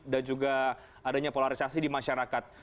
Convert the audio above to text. dan juga adanya polarisasi di masyarakat